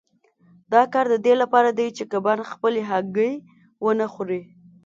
دا کار د دې لپاره دی چې کبان خپلې هګۍ ونه خوري.